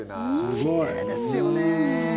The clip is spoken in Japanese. きれいですよね。